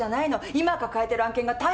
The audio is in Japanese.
今抱えてる案件が大変なことに。